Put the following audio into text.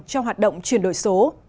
cho hoạt động chuyển đổi số